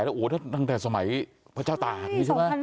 โอ้โหถ้าตั้งแต่สมัยพระเจ้าตากนี่ใช่ไหม